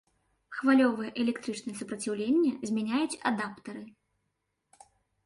Хвалевае электрычнае супраціўленне змяняюць адаптары.